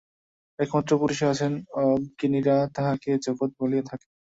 একমাত্র পুরুষই আছেন, অজ্ঞানীরা তাঁহাকেই জগৎ বলিয়া থাকে।